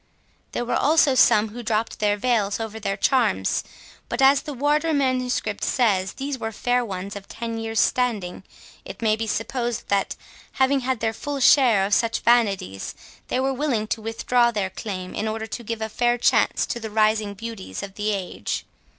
There were also some who dropped their veils over their charms; but, as the Wardour Manuscript says these were fair ones of ten years standing, it may be supposed that, having had their full share of such vanities, they were willing to withdraw their claim, in order to give a fair chance to the rising beauties of the age.